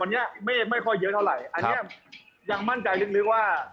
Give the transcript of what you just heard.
อันนี้เมฆไม่ค่อยเยอะเท่าไหร่อันนี้ยังมั่นใจลึกว่า